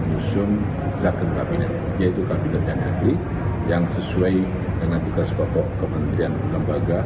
menyusun zakat kabinet yaitu kabinet yang negeri yang sesuai dengan tugas pokok kementerian lembaga